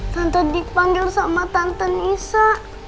tante dipanggil sama tante isa